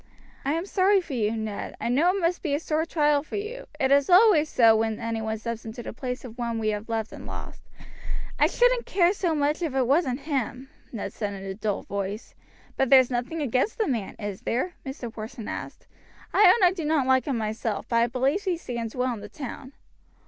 I am sorry for you, Ned. I know it must be a sore trial for you; it is always so when any one steps into the place of one we have loved and lost." "I shouldn't care so much if it wasn't him," Ned said in a dull voice. "But there's nothing against the man, is there?" Mr. Porson asked. "I own I do not like him myself; but I believe he stands well in the town."